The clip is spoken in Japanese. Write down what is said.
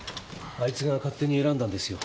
あいつが勝手に選んだんですよ。